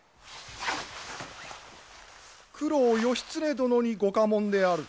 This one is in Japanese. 九郎義経殿にご下問である。